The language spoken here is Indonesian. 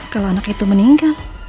kalau anak itu meninggal